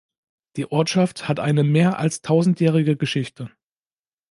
Die Ortschaft hat eine mehr als tausendjährige Geschichte.